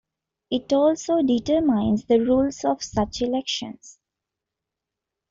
It also determines the rules of such elections.